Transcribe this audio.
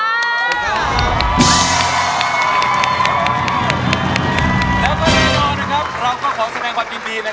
แล้วก็เรียบร้อยนะครับเราก็ขอแสดงความยินดีนะครับ